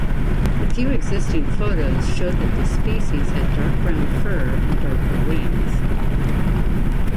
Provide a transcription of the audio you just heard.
The few existing photos show that this species had dark-brown fur and darker wings.